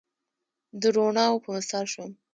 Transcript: د روڼاوو په مثال شوم